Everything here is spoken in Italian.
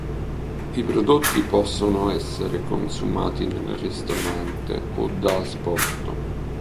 I prodotti possono essere consumati nel ristorante o da asporto.